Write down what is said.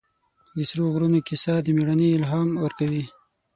د سرو غرونو کیسه د مېړانې الهام ورکوي.